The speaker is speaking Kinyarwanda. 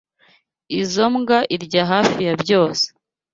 Izoi mbwa irya hafi ya byose.